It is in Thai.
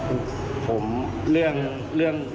คู่แข่งล้มแชมป์